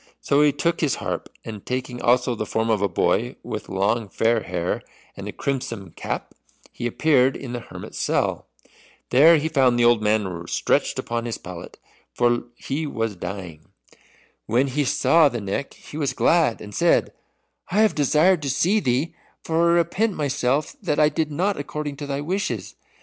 So he took his harp, and taking also the form of a boy with long fair hair and a crimson cap, he appeared in the hermit's cell. There he found the old man stretched upon his pallet, for lie was dying. When he saw the Neck he was glad, and said, "I have desired to see thee, for I repent myself that I did not according to thy wishes.